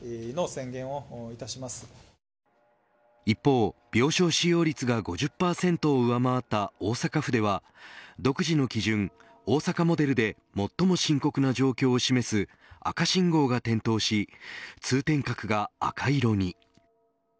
一方、病床使用率が５０％を上回った大阪府では独自の基準、大阪モデルで最も深刻な状況を示す赤信号が点灯し通天閣が赤色に。